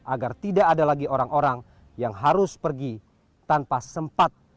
agar tidak ada lagi orang orang yang harus pergi tanpa sempat